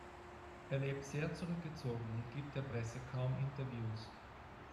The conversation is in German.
Er lebt sehr zurückgezogen und gibt der Presse kaum Interviews.